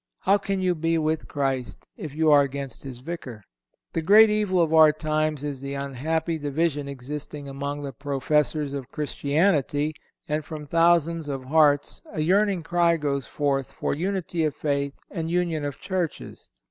How can you be with Christ if you are against His Vicar? The great evil of our times is the unhappy division existing among the professors of Christianity, and from thousands of hearts a yearning cry goes forth for unity of faith and union of churches.